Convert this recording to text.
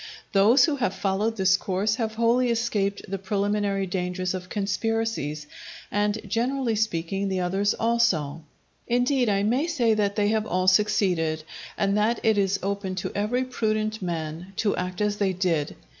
Those who have followed this course have wholly escaped the preliminary dangers of conspiracies, and, generally speaking, the others also; indeed, I may say that they have all succeeded, and that it is open to every prudent man to act as they did.